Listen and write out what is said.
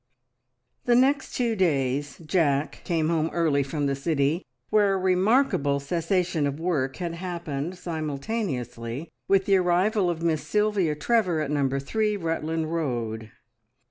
The next two days Jack came home early from the city, where a remarkable cessation of work had happened simultaneously with the arrival of Miss Sylvia Trevor at Number Three, Rutland Road.